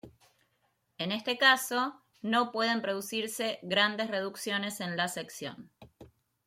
En este caso, no pueden producirse grandes reducciones en la sección.